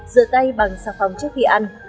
rửa tay bằng xà phòng trước khi ăn